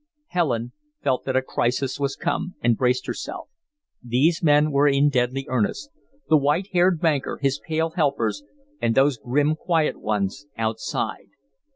Helen felt that a crisis was come, and braced herself. These men were in deadly earnest: the white haired banker, his pale helpers, and those grim, quiet ones outside.